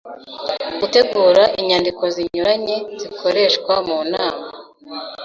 gutegura inyandiko zinyuranye zikoreshwa mu nama